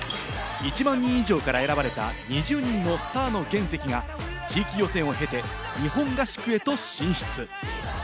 １万人以上から選ばれた２０人のスターの原石が地域予選を経て日本合宿へと進出。